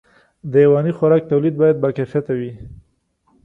د حيواني خوراک توليد باید باکیفیته وي.